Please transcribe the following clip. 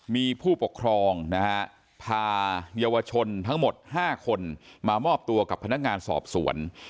มีผู้ปกครองนะฮะพาเยาวชนทั้งหมด๕คนมามอบตัวกับพนักงานสอบสวน